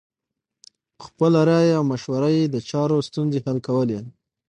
په خپله رایه او مشوره یې د چارو ستونزې حل کولې.